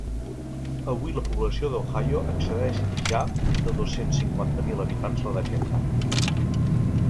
Avui la població d'Ohio excedeix ja de dos-cents cinquanta mil habitants la de Kentucky.